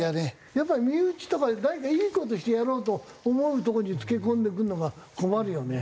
やっぱり身内とか何かいい事してやろうと思うところに付け込んでくるのが困るよね。